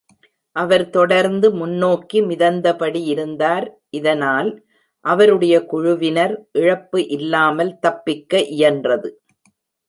அவர் தொடர்ந்து முன்னோக்கி மிதந்தபடி இருந்தார், இதனால், அவருடைய குழுவினர் இழப்பு இல்லாமல் தப்பிக்க இயன்றது.